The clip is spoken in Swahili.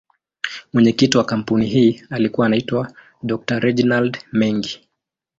Mwenyekiti wa kampuni hii alikuwa anaitwa Dr.Reginald Mengi.